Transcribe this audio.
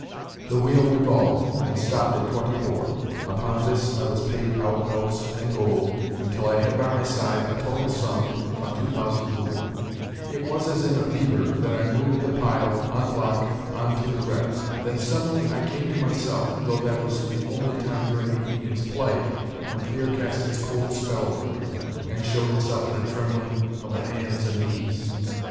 The wheel revolved, and stopped at twenty four. Upon this I was paid out notes and gold until I had by my side a total sum of two thousand gülden. It was as in a fever that I moved the pile, en bloc, on to the red. Then suddenly I came to myself (though that was the only time during the evening's play when fear cast its cold spell over me, and showed itself in a trembling of the hands and knees).